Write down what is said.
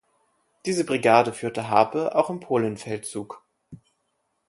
Diese Brigade führte Harpe auch im Polenfeldzug.